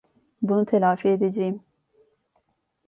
Bunu telafi edeceğim.